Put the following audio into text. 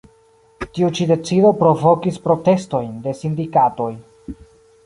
Tiu ĉi decido provokis protestojn de sindikatoj.